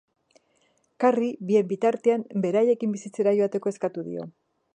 Karri, bien bitartean, beraiekin bizitzera joateko eskatuko dio.